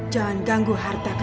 jangan ganggu harta kekayaanku